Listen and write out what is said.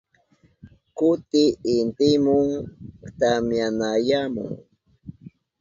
Kuti intimun tamyanayamun.